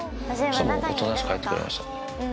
そしたらおとなしく入ってくれました。